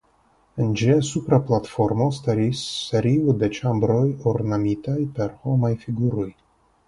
En ĝia supra platformo staris serio de ĉambroj ornamitaj per homaj figuroj.